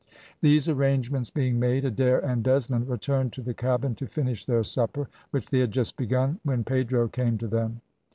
These arrangements being made, Adair and Desmond returned to the cabin to finish their supper, which they had just begun when Pedro came to them.